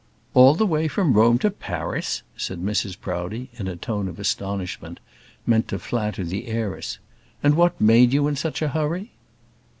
"All the way from Rome to Paris!" said Mrs Proudie in a tone of astonishment, meant to flatter the heiress "and what made you in such a hurry?"